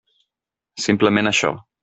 Simplement això.